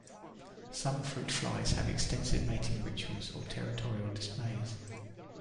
Some fruit flies have extensive mating rituals or territorial displays.